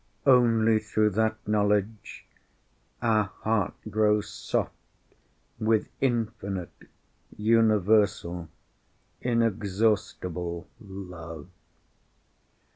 Only through that knowledge, our heart grows soft with infinite, universal, inexhaustible love.